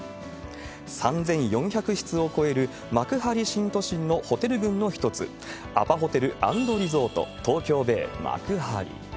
３４００室を超える幕張新都心のホテル群の一つ、アパホテル＆リゾート東京ベイ幕張。